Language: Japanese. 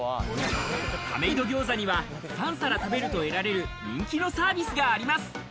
亀戸ぎょうざには３皿食べると得られる人気のサービスがあります。